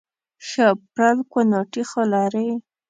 ښه پرل کوناټي خو لري